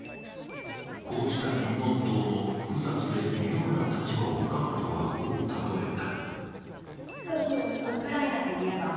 こうした金門島の複雑で微妙な立場を彼女は、こう例えた。